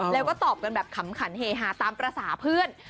แล้วก็ตอบกันแบบขำขันเฮฮาตามภาษาเพื่อน